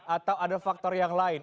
atau ada faktor yang lain